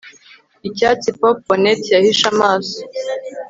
Icyatsi poke bonnet yahishe amaso